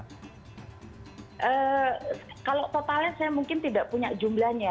kalau totalnya saya mungkin tidak punya jumlahnya